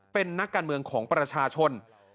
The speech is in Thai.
เป็นนักการเมืองของประชาชน